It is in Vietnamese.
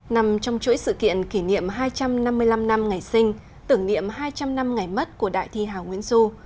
nằm trong chuỗi sự kiện kỷ niệm hai trăm năm mươi năm năm ngày sinh tưởng niệm hai trăm linh năm ngày mất của đại thi hào nguyễn du